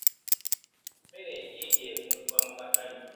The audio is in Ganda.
Emmere nnyingi etundibwa mu katale.